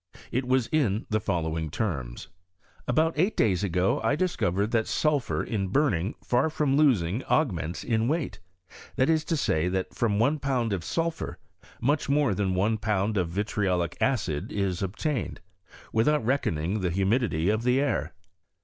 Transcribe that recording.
It was in the loJ lowing terms :About eig; fat dajs ago I diacorered that soj^or in bnming, far from losing, augments in we%fat; ^at is to sajy that from one pound of sulphur much more than one pound of ritiiolic acid is obtained, without reckoning the humidity of the air.